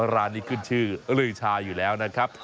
ร้านนี้ขึ้นชื่อลื่อยชาอยู่แล้วนะครับ